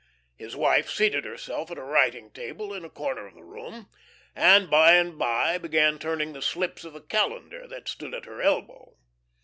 His wife seated herself at a writing table in a corner of the room, and by and by began turning the slips of a calendar that stood at her elbow.